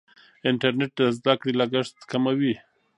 انټرنیټ د زده کړې لګښت کموي.